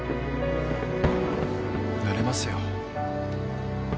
なれますよ。